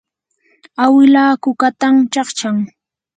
awila kukatan chaqchan.